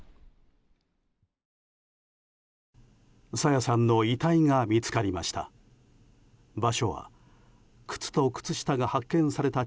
朝芽さんの遺体が見つかりました。